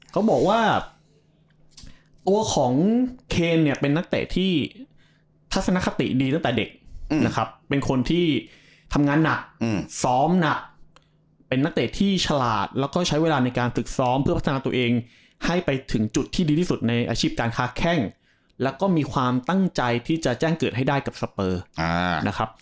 เขาบอกว่าตัวของเคนเนี่ยเป็นนักเตะที่ทัศนคติดีตั้งแต่เด็กนะครับเป็นคนที่ทำงานหนักซ้อมหนักเป็นนักเตะที่ฉลาดแล้วก็ใช้เวลาในการฝึกซ้อมเพื่อพัฒนาตัวเองให้ไปถึงจุดที่ดีที่สุดในอาชีพการค้าแข้งแล้วก็มีความตั้งใจที่จะแจ้งเกิดให้ได้กับสเปอร์นะครับ